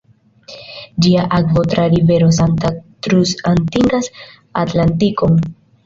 Ĝia akvo tra rivero Santa Cruz atingas Atlantikon.